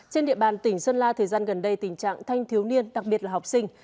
trên địa bàn tỉnh sơn la thời gian gần đây tình trạng thanh thiếu niên đặc biệt là học sinh